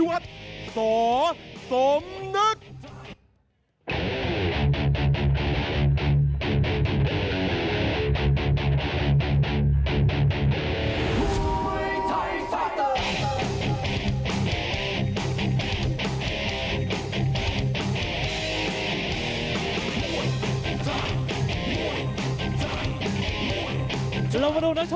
๖๒ไว้๒๕ไฟและ๓ประวัติศาสตร์